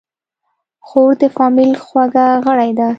خور د فامیل خوږه غړي ده.